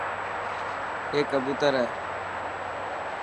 اي ڪبوتر هي.